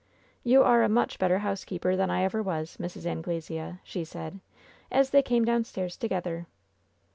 "You are a much better housekeeper than I ever was, Mrs. Anglesea," she said, as they came downstairs to gether.